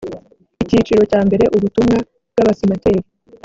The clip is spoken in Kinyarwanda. icyiciro cya mbere ubutumwa bw abasenateri